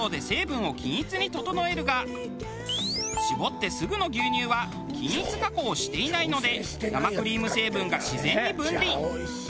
搾ってすぐの牛乳は均一加工をしていないので生クリーム成分が自然に分離。